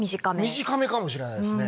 短めかもしれないですね。